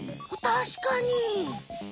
たしかに！